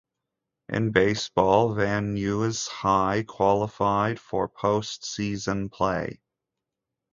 In baseball Van Nuys High qualified for postseason play.